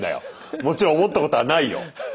もちろん思ったことはないよ。